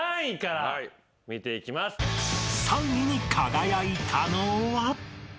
［３位に輝いたのは］